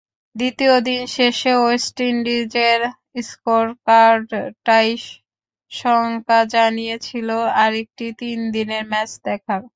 দ্বিতীয় দিন শেষে ওয়েস্ট ইন্ডিজের স্কোরকার্ডটাই শঙ্কা জাগিয়েছিল আরেকটি তিন দিনের ম্যাচ দেখার।